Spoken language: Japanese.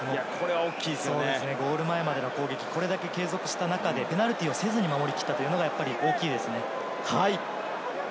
ゴール前までの攻撃、これだけ継続した中でペナルティーをせずに守り切ったというのが大きいですよね。